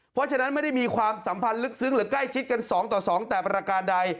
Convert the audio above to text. เพราะฉะนั้นไม่ได้มีความสัมพันธ์ลึกซึ้งหรือใกล้ชิดกัน๒ต่อ๒แต่ประการใด